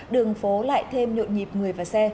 đường phố lại thêm nhộn nhịp người và xe